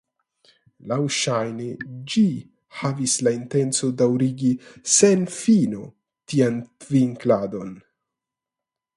Laŭŝajne ĝi havis la intencon daŭrigi sen fino tian tvinkladon.